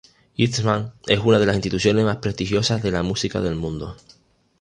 Eastman es una de las instituciones más prestigiosas de la música del mundo.